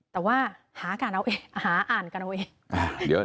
แต่ว่าหาการอ่านการอ่านเอง